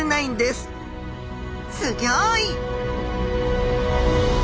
すギョい！